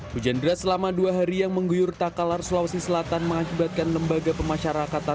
hujan deras selama dua hari yang mengguyur takalar sulawesi selatan mengakibatkan lembaga pemasyarakatan